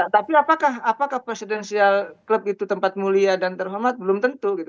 tapi apakah presidensial klub itu tempat mulia dan terhormat belum tentu gitu